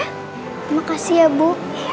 terima kasih ya bu